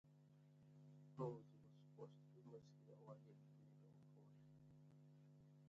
Ross was posthumously awarded the Medal of Honor.